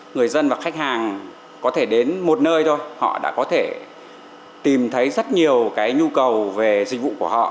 người dân và khách hàng có thể đến một nơi thôi họ đã có thể tìm thấy rất nhiều cái nhu cầu về dịch vụ của họ